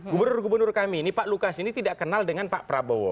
gubernur gubernur kami ini pak lukas ini tidak kenal dengan pak prabowo